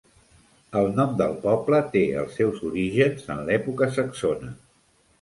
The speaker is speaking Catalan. El nom del poble té els seus orígens en l'època saxona.